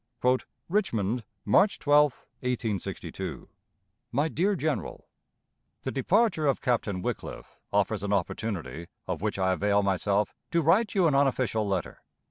_ "RICHMOND, March 12, 1862. "MY DEAR GENERAL: The departure of Captain Wickliffe offers an opportunity, of which I avail myself, to write you an unofficial letter.